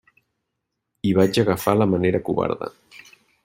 I vaig agafar la manera covarda.